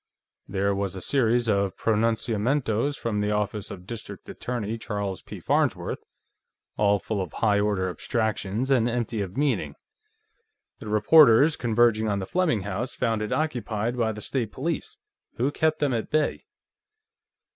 There was a series of pronunciamentos from the office of District Attorney Charles P. Farnsworth, all full of high order abstractions and empty of meaning. The reporters, converging on the Fleming house, found it occupied by the State Police, who kept them at bay.